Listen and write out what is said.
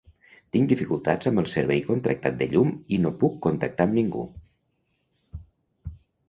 Tinc dificultats amb el servei contractat de llum i no puc contactar amb ningú.